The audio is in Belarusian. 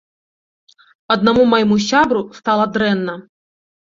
Аднаму майму сябру стала дрэнна.